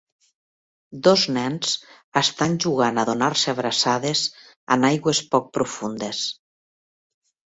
Dos nens estan jugant a donar-se abraçades en aigües poc profundes.